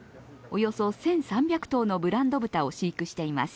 およそ１３００頭のブランド豚を飼育しています。